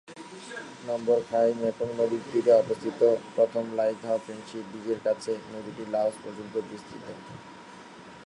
নম্বর খাই মেকং নদীর তীরে অবস্থিত, প্রথম থাই-লাও ফ্রেন্ডশিপ ব্রিজের কাছে, নদীটি লাওস পর্যন্ত বিস্তৃত।